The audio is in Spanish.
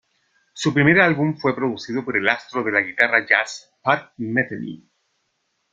Su primer álbum fue producido por el astro de la guitarra jazz Pat Metheny.